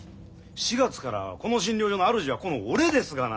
４月からこの診療所のあるじはこの俺ですがな。